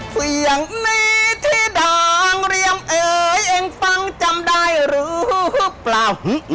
เสียงนี้ที่ด่างเรียมเอ่ยเองฟังจำได้หรือเปล่า